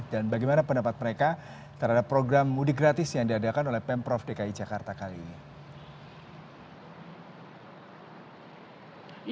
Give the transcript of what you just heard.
dan bagaimana pendapat mereka terhadap program mudik gratis yang diadakan oleh pemprov dki jakarta kali ini